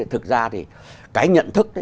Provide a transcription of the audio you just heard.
thực ra thì cái nhận thức